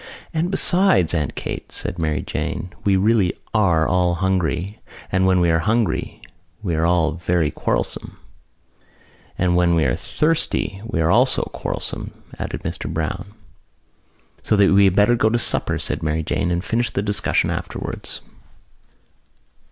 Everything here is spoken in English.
"And besides, Aunt Kate," said Mary Jane, "we really are all hungry and when we are hungry we are all very quarrelsome." "And when we are thirsty we are also quarrelsome," added Mr Browne. "So that we had better go to supper," said Mary Jane, "and finish the discussion afterwards."